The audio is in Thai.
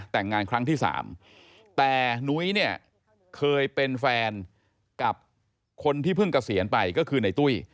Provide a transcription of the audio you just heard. แต่งงานครั้งที่๓แต่นุ้ยเนี่ยเคยเป็นแฟนกับคนที่เพิ่งเกษียณไปก็คือในตุ้ย